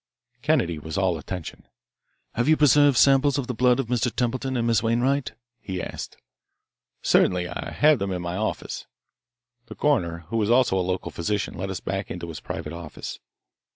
Kennedy was all attention. "Have you preserved samples of the blood of Mr. Templeton and Miss Wainwright?" he asked. "Certainly. I have them in my office." The coroner, who was also a local physician, led us back into his private office.